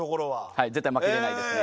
はい絶対負けれないですね。